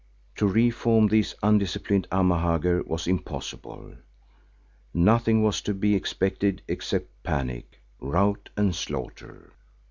To re form these undisciplined Amahagger was impossible; nothing was to be expected except panic, rout and slaughter.